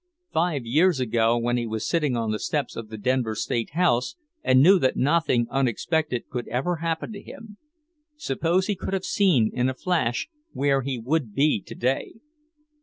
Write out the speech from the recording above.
Five years ago, when he was sitting on the steps of the Denver State House and knew that nothing unexpected could ever happen to him... suppose he could have seen, in a flash, where he would be today?